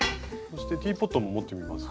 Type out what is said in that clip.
そしてティーポットも持ってみます？